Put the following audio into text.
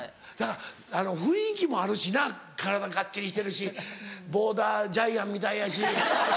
だから雰囲気もあるしな体ガッチリしてるしボーダージャイアンみたいやし。